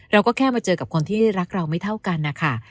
เราก็แค่มาเจอกับคนที่รักเราไม่เท่ากันนะคะ